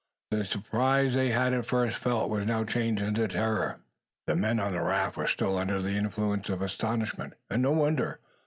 The surprise they had at first felt was now changed into terror. The men on the raft were still under the influence of astonishment; and no wonder.